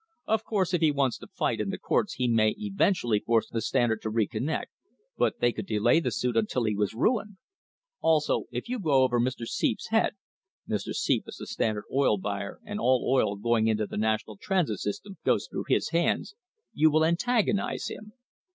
Of course, if he wants to fight in the courts he may eventually force the Stand ard to reconnect, but they could delay the suit until he was ruined. Also, if you go over Mr. Seep's head" Mr. Seep is the Standard Oil buyer, and all oil going into the National Transit system goes through his hands "you will antagonise him."